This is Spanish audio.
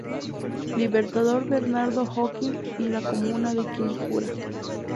Libertador Bernardo O'Higgins—, en la comuna de Quilicura.